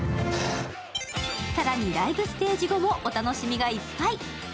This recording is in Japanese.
更にライブステージ後もお楽しみがいっぱい。